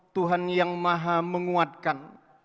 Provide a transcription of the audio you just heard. tuhan yang maha menguatkan